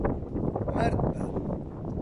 مەرد بە.